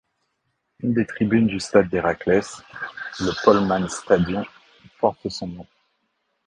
Une des tribunes du stade d'Heracles, le Polman Stadion, porte son nom.